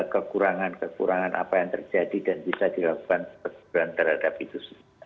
kekurangan kekurangan apa yang terjadi dan bisa dilakukan teguran terhadap itu